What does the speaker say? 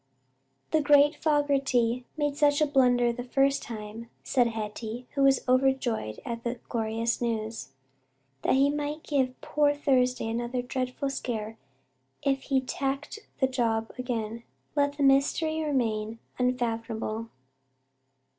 "The great Fogerty made such a blunder the first time," said Hetty, who was overjoyed at the glorious news, "that he might give poor Thursday another dreadful scare if he tackled the job again. Let the mystery remain unfathomable."